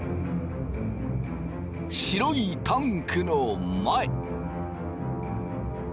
白いタンクの前。